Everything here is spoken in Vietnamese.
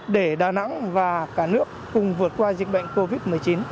để đà nẵng và cả nước cùng vượt qua dịch bệnh covid một mươi chín